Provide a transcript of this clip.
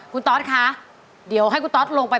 คุณตอสคะเดี๋ยวให้คุณตอสลงไป